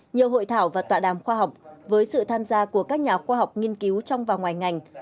nhiều hội thảo và tọa đàm khoa học với sự tham gia của các nhà khoa học nghiên cứu trong và ngoài ngành